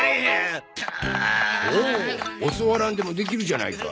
おお教わらんでもできるじゃないか。